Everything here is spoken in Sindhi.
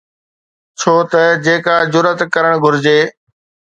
ڇو ته جيڪا جرئت ڪرڻ گهرجي.